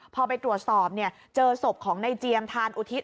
พอไปตรวจสอบเจอศพของในเจียมทานอุทิศ